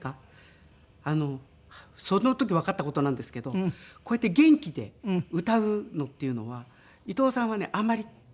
その時わかった事なんですけどこうやって元気で歌うのっていうのは伊藤さんはねあまり好まれてなかったらしい。